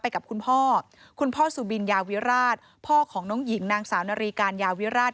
กับคุณพ่อคุณพ่อสุบินยาวิราชพ่อของน้องหญิงนางสาวนารีการยาวิราช